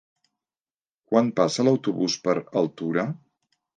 Quan passa l'autobús per Altura?